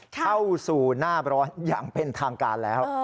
เข้าสู่หน้าร้อนอย่างเป็นทางการแล้ว